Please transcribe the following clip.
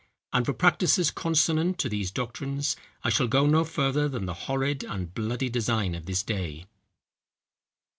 And for practices consonant to these doctrines, I shall go no further than the horrid and bloody design of this day."